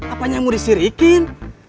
apanya mau disirikin